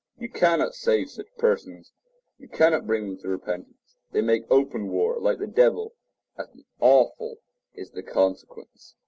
You cannot save such persons; you cannot bring them to repentance; they make open war, like the devil, and awful is the consequence.